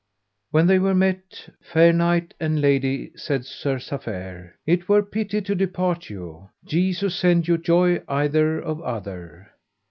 When they were met: Fair knight and lady, said Sir Safere, it were pity to depart you; Jesu send you joy either of other.